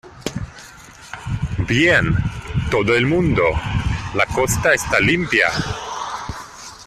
¡ Bien, todo el mundo , la costa está limpia!